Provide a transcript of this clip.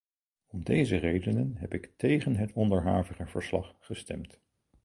Om deze redenen heb ik tegen het onderhavige verslag gestemd.